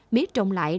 mía trồng lại